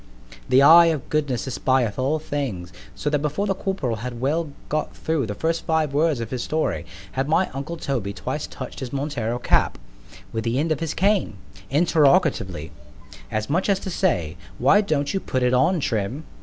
——The eye of Goodness espieth all things——so that before the corporal had well got through the first five words of his story, had my uncle Toby twice touch'd his Montero cap with the end of his cane, interrogatively——as much as to say, Why don't you put it on, _Trim?